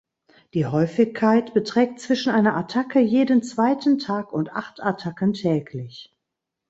Die Häufigkeit beträgt zwischen einer Attacke jeden zweiten Tag und acht Attacken täglich.